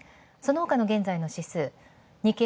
そのほかの現在の指数。